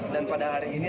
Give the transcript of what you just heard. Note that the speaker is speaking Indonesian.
dan pada hari ini